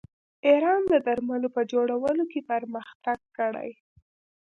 ایران د درملو په جوړولو کې پرمختګ کړی.